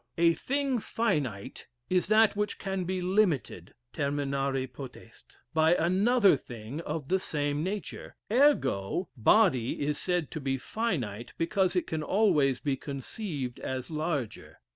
A thing finite is that which can be limited (terminari potest) by another thing of the same nature ergo, body is said to be finite because it can always be conceived as larger.